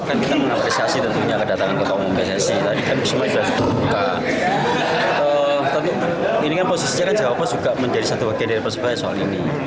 ini kan posisinya kan jawabannya juga menjadi satu bagian dari persebaya soal ini